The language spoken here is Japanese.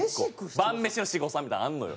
晩飯の七五三みたいなのあるのよ。